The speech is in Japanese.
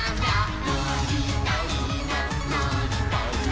「のりたいなのりたいな」